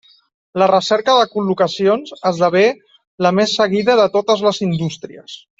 La recerca de col·locacions esdevé la més seguida de totes les indústries.